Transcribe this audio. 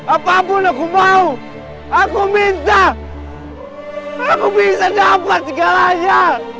apapun aku mau aku minta aku bisa dapat segalanya